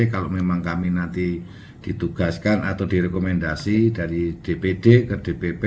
kalau memang kami nanti ditugaskan atau direkomendasi dari dpd ke dpp